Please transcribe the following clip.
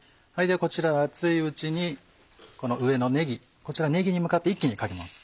こちら熱いうちにこの上のねぎこちらねぎに向かって一気にかけます。